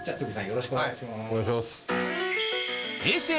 よろしくお願いします。